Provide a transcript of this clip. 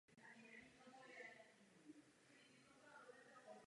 Ke konci panování císaře Karla Velikého si získal významný vliv na jeho dvoře.